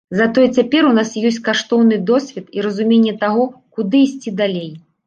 Затое цяпер у нас ёсць каштоўны досвед і разуменне таго, куды ісці далей.